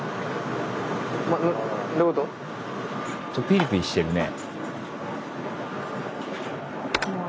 ピリピリしてるね。